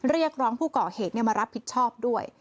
เรียกร้องผู้ก่อเหตุมารับผิดชอบด้วย